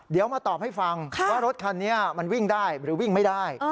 เดี๋ยวมาตอบให้ฟังว่ารถคันนี้มันวิ่งได้หรือวิ่งไม่ได้